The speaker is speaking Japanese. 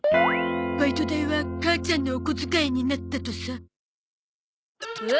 バイト代は母ちゃんのお小遣いになったとさ。